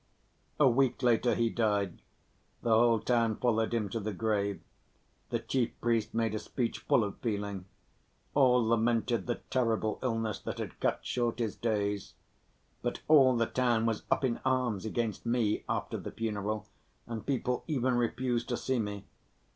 A week later he died. The whole town followed him to the grave. The chief priest made a speech full of feeling. All lamented the terrible illness that had cut short his days. But all the town was up in arms against me after the funeral, and people even refused to see me.